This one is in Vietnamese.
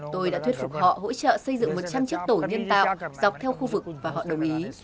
tôi đã thuyết phục họ hỗ trợ xây dựng một trăm linh chiếc tổ nhân tạo dọc theo khu vực và họ đồng ý